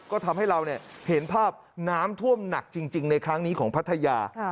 ก็ทำให้เราเห็นภาพน้ำท่วมหนักจริงในครั้งนี้ของพัทยา